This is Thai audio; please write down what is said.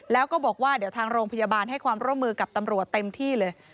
แล้วก็บอกว่าเดี๋ยวทางโรงพยาบาลให้ความร่วมมือกับตำรวจเต็มที่เลย